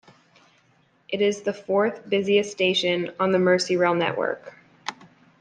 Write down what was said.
It is the fourth busiest station on the Merseyrail network.